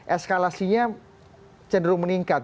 eskalasinya cenderung meningkat